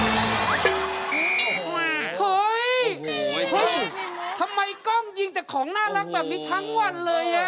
เฮ้ยเฮ้ยทำไมกล้องยิงแต่ของน่ารักแบบนี้ทั้งวันเลยอ่ะ